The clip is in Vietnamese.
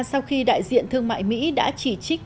sau khi đại diện thương mại mỹ đã chỉ trích